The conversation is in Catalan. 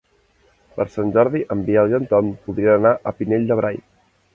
Per Sant Jordi en Biel i en Tom voldrien anar al Pinell de Brai.